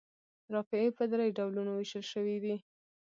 رافعې په درې ډولونو ویشل شوي دي.